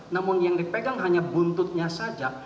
namun yang di pegang hanya buntutnya saja